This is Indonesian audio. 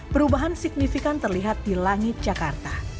perubahan signifikan terlihat di langit jakarta